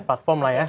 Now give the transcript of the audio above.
platform lah ya